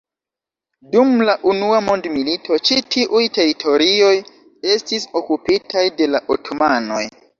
Dum la Unua Mondmilito ĉi tiuj teritorioj estis okupitaj de la otomanoj.